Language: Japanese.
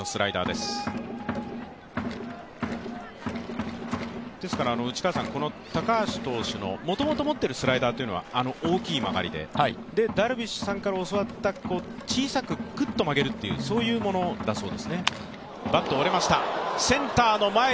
ですから高橋投手の、もともと持っているスライダーというのはあの大きい曲がりでダルビッシュさんから教わった小さくクッと曲げるというものだそうですね。